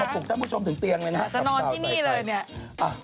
ปลุกท่านผู้ชมถึงเตียงเลยนะฮะจะนอนที่นี่เลยเนี่ย